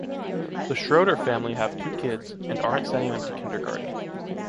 The Schröder family have two kids, and aren’t sending them to kindergarten.